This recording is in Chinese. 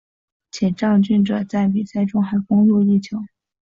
且肇俊哲在比赛中还攻入一球。